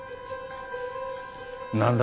何だ？